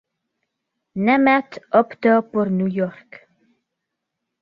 Namath opta pour New York.